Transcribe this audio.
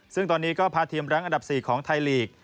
ซึ่งตอนนี้ก็พาทีมรั้งอันดับ๔ของไทยลีก